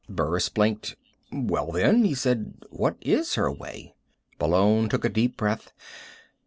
Burris blinked. "Well, then," he said, "what is her way?" Malone took a deep breath.